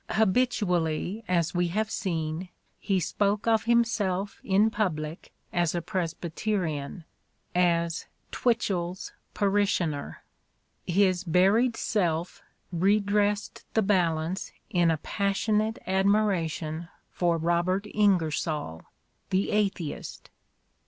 Habitually, as we have seen, he spoke of himself in public as a Presbyterian, as "Twitch ell's parishioner." His buried self redressed the balance in a passionate admiration for Robert Inger soU, the atheist.